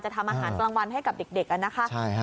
ทำอาหารกลางวันให้กับเด็กนะคะ